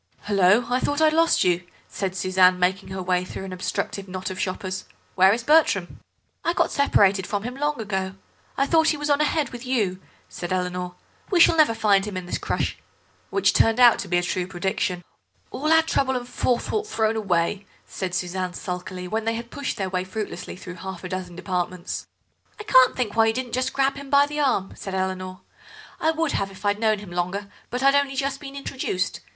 "Hullo, I thought I had lost you," said Suzanne, making her way through an obstructive knot of shoppers. "Where is Bertram?" "I got separated from him long ago. I thought he was on ahead with you," said Eleanor. "We shall never find him in this crush." Which turned out to be a true prediction. "All our trouble and forethought thrown away," said Suzanne sulkily, when they had pushed their way fruitlessly through half a dozen departments. "I can't think why you didn't grab him by the arm," said Eleanor; "I would have if I'd known him longer, but I'd only just been introduced.